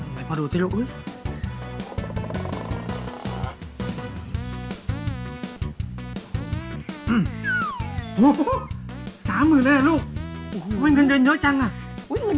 ไหนพอดูจะรู้